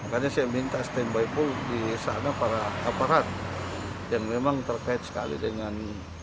makanya saya minta standby pool di sana para aparat yang memang terkait sekali dengan